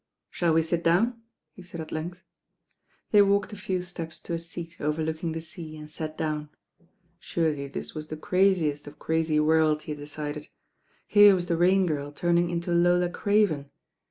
"Shall we sit down?" he said at length. They walked a few steps to a seat overlooking the sea and sat down. Surely this was the craziest of crary worlds, he decided. Here was the Rain 1 ll IM THE RAXN OIRL ! Girl tunung into Lola Crtven.